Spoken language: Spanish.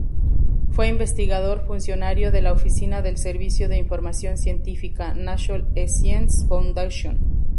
Fue investigador funcionario de la "Oficina del Servicio de Información Científica", National Science Foundation.